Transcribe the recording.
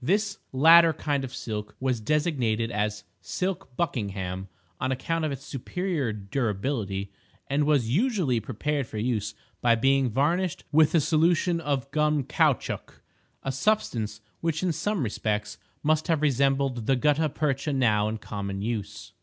This latter kind of silk was designated as silk buckingham, on account of its superior durability, and was usually prepared for use by being varnished with a solution of gum caoutchouc—a substance which in some respects must have resembled the gutta percha now in common use.